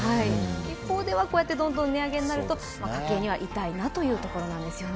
一方ではこうやってどんどん値上げになると家計には痛いなということですね。